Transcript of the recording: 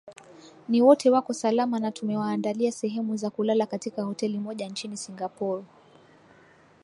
ni wote wako salama na tumewaandalia sehemu za kulala katika hoteli moja nchini singapore